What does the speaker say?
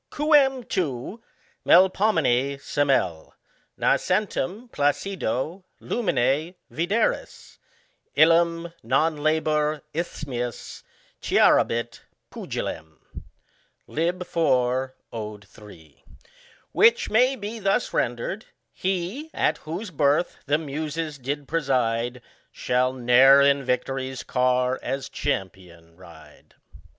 Qucm tu, Melpomene, semel, Nascentem placido luminc vidcris, I Ham non labor isthmius Clarabit Puqilem. Lib. iv. Od. 3. Which may be thus rendered : He, at whose birth the Muses did preside, Shall i^e'er iu victory's car as CHAMPION ride.